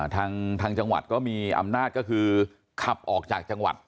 ทางจังหวัดก็มีอำนาจก็คือขับออกจากจังหวัด